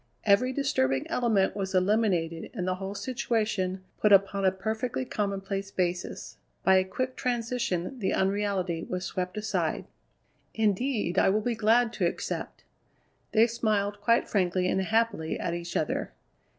Every disturbing element was eliminated and the whole situation put upon a perfectly commonplace basis. By a quick transition the unreality was swept aside. "Indeed, I will be glad to accept." They smiled quite frankly and happily at each other.